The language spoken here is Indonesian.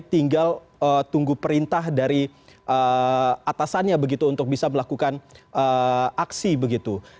tinggal tunggu perintah dari atasannya begitu untuk bisa melakukan aksi begitu